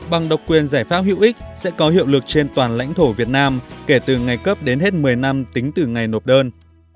bằng độc quyền giải pháp hữu ích sẽ có hiệu lực trên toàn lãnh thổ việt nam kể từ ngày cấp đến hết một mươi năm tính từ ngày nộp đơn